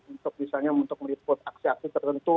untuk misalnya untuk meliput aksi aksi tertentu